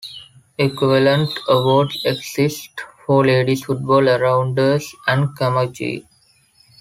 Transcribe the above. Equivalent awards exist for ladies' football, rounders and camogie.